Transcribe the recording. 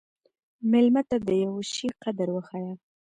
مېلمه ته د یوه شي قدر وښیه.